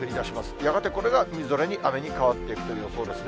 やがて、これがみぞれに雨に変わっていくという予想ですね。